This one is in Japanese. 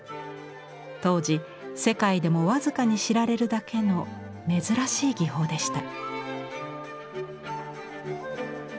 当時世界でも僅かに知られるだけの珍しい技法でした。